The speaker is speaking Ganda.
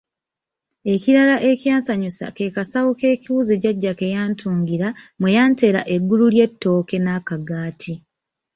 Ekirala ekyansanyusa ke kasawo ek'ekiwuzi jjajja ke yantungira mwe yanteera Eggwolu ly'ettooke n'akagaati.